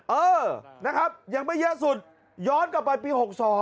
เออนะครับยังไม่เยอะสุดย้อนกลับไปปี๖๒